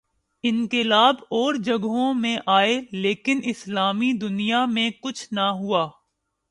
انقلاب اور جگہوں میں آئے لیکن اسلامی دنیا میں کچھ نہ ہوا۔